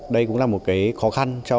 đây cũng là một cái khó khăn